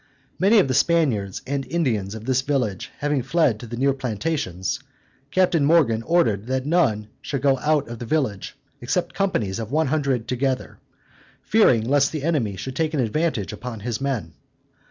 Many of the Spaniards and Indians of this village having fled to the near plantations, Captain Morgan ordered that none should go out of the village, except companies of one hundred together, fearing lest the enemy should take an advantage upon his men.